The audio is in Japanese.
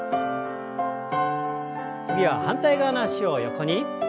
次は反対側の脚を横に。